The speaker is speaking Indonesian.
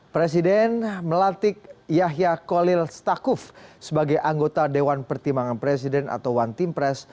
presiden melantik yahya kolil stakuf sebagai anggota dewan pertimbangan presiden atau one team press